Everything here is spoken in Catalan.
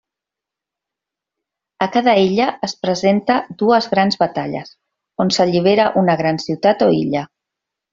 A cada illa, es presenta dues grans batalles, on s'allibera una gran ciutat o illa.